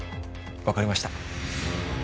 わかりました。